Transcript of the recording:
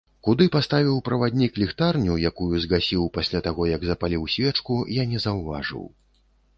Куды паставіў праваднік ліхтарню, якую згасіў пасля таго, як запаліў свечку, я не заўважыў.